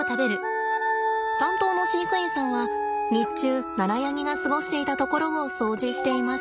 担当の飼育員さんは日中ナラヤニが過ごしていたところを掃除しています。